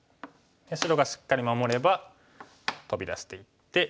白がしっかり守ればトビ出していって。